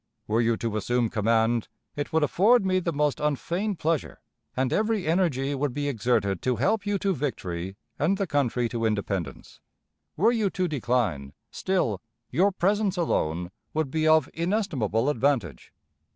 Were you to assume command, it would afford me the most unfeigned pleasure, and every energy would be exerted to help you to victory and the country to independence. Were you to decline, still your presence alone would be of inestimable advantage.